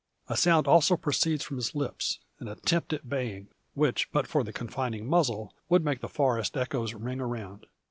A sound also proceeds from his lips, an attempt at baying; which, but for the confining muzzle would make the forest echoes ring around.